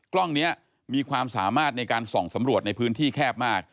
กล้องนี้มีความสามารถในการส่องสำรวจในพื้นที่แคบมาก